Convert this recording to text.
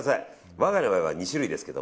我が家の場合は２種類ですけど。